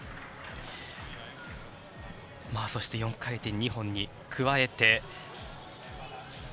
そして、４回転２本に加えて。